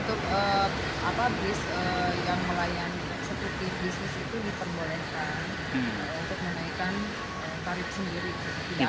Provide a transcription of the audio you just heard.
tapi untuk bis yang melayani seperti bisnis itu diperbolehkan untuk menaikkan tarif sendiri